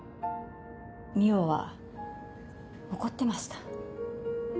未央は怒ってました。